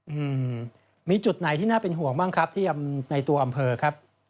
อืมมีจุดไหนที่น่าเป็นห่วงบ้างครับที่ในตัวอำเภอครับ